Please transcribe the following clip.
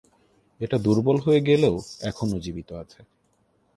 এটা দুর্বল হয়ে গেলেও এখনও জীবিত আছে।